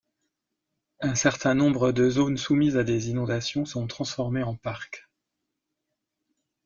Un certain nombre de zones soumises à des inondations sont transformées en parcs.